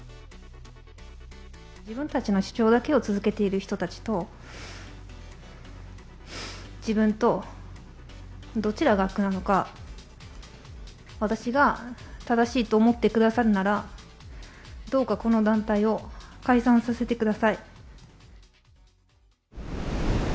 自分たちの主張だけを続けている人たちと、自分と、どちらが悪なのか、私が正しいと思ってくださるなら、どうかこの団体を解散させてください。